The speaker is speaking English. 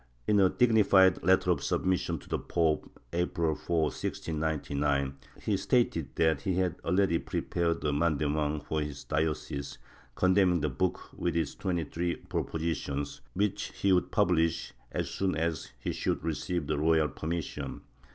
In a dignified letter of submission to the pope, April 4, 1699, he stated that he had already prepared a mandement for his diocese, condemning the book with its twenty three propositions, which he would publish as soon as he should receive the royal permission.